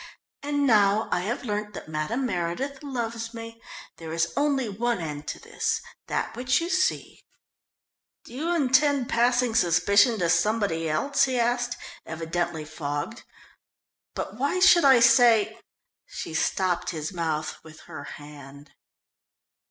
"'_And now I have learnt that Madame Meredith loves me. There is only one end to this that which you see _'" "Do you intend passing suspicion to somebody else?" he asked, evidently fogged, "but why should I say ?" She stopped his mouth with her hand.